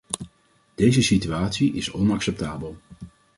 Deze situatie is onacceptabel.